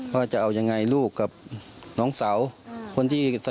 ว่าจะเอายังไงลูกกับน้องสาวคนที่